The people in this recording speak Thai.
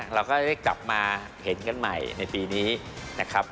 เราก็ได้กลับมาเห็นกันใหม่ในปีนี้นะครับ